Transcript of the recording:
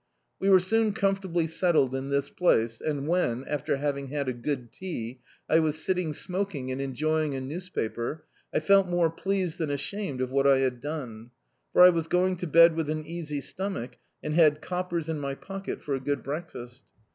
We were soon comfortably settled in this place, and when, after having had a good tea, I was sitting smoking, and enjoying a newspaper, I felt more pleased than ashamed of what I had done; for I was going to bed with an easy stomach, and had coppers in my pocket for a good breakfast.